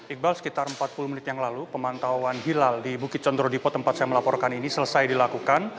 iqbal sekitar empat puluh menit yang lalu pemantauan hilal di bukit condro dipo tempat saya melaporkan ini selesai dilakukan